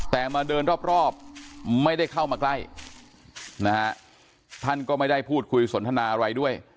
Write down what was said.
แต่มาเดินรอบไม่ได้เข้ามาใกล้นะฮะท่านก็ไม่ได้พูดคุยสนทนาอะไรด้วย